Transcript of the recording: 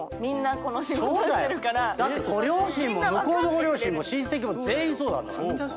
だってご両親も向こうのご両親も親戚も全員そうなんだから。